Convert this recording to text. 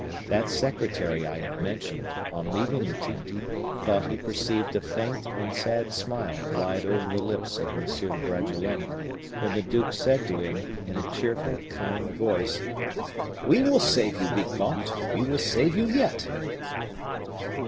That secretary I have mentioned, on leaving the tent, thought he perceived a faint and sad smile glide over the lips of M. de Bragelonne when the duke said to him, in a cheerful, kind voice, 'We will save you, vicomte, we will save you yet.